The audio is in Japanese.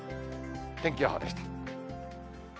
天気予報でした。